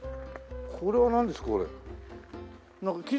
これはなんですか？